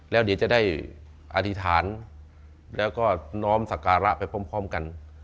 แล้วเดี๋ยวจะได้อธิษฐานแล้วก็น้อมสการะไปพร้อมกัน